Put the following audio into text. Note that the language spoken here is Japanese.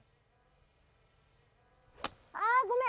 あごめん。